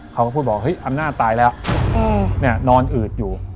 เขาก็พูดบอกเฮ้ยอำนาจตายแล้วนอนอืดอยู่